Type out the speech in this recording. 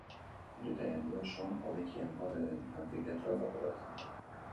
Britainia Handia osoan hobekien gorde den anfiteatroa dago bertan.